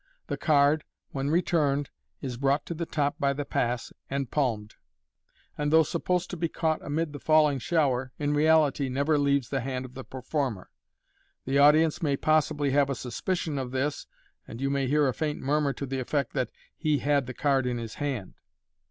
The card, when returned, is brought to the top by T22 MODERN MAGIC. the pass, and palmed : and, though supposed to be caught amid the falling shower, in reality never leaves the hand of the performer. The audience may possibly have a suspicion of tfiis, and you may hear a faint murmur to the effect that " he had the card in his hand